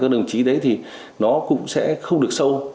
các đồng chí đấy thì nó cũng sẽ không được sâu